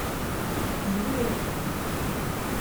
Zzwir.